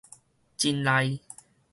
真利